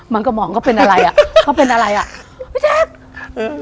มั้งก็มองก็เป็นอะไรอะเมื่อเป็นอะไรอะพี่เจ็ก